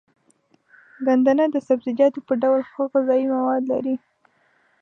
ګندنه د سبزيجاتو په ډول ښه غذايي مواد لري.